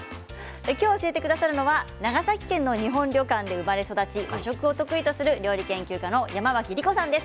今日、教えてくださるのは長崎県の日本旅館で生まれ育ち和食を得意とする料理研究家の山脇りこさんです。